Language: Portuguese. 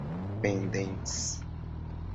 pendentes